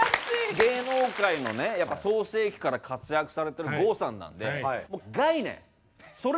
芸能界のね創成期から活躍されてる郷さん